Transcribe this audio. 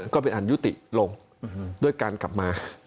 ก็เป็นอันยุติลงด้วยการกลับมา